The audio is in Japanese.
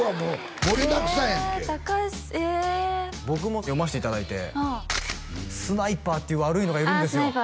僕も読ましていただいてスナイパーっていう悪いのがいるんですよ